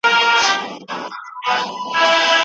مذهبي افراطیت ټولني ته زیان رسوي.